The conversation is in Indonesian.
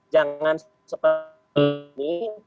jangan seperti ini